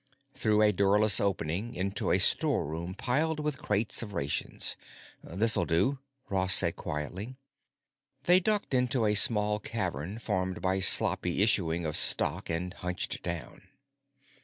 Through a doorless opening into a storeroom piled with crates of rations. "This'll do," Ross said quietly. They ducked into a small cavern formed by sloppy issuing of stock and hunched down.